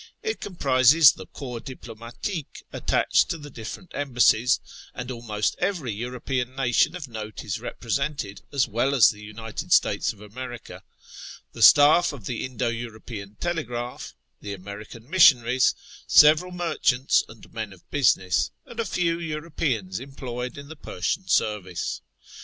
It comprises the covps diploviatique attached to the different embassies (and almost every European nation of note is represented, as well as the United States of America) ; the staff of the Indo European Telegraph ; the American missionaries ; several merchants and men of business ; and a few Europeans employed in the Persian service.